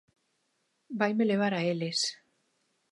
Vaime levar a eles.